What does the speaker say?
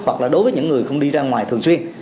hoặc là đối với những người không đi ra ngoài thường xuyên